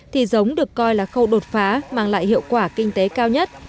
thì giống được coi là khâu đột phá mang lại hiệu quả kinh tế cao nhất